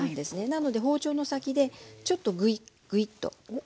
なので包丁の先でちょっとグイッグイッと。